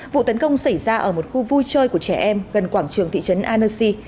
vụ tấn công xảy ra ở một khu vui chơi của trẻ em gần quảng trường thị trấn annesi